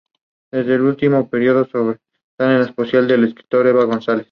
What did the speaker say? De este último periodo sobresalen las poesías de la escritora Eva González.